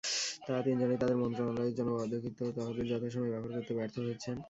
তাঁরা তিনজনই তাঁদের মন্ত্রণালয়ের জন্য বরাদ্দকৃত তহবিল যথাসময়ে ব্যবহার করতে ব্যর্থ হয়েছেন।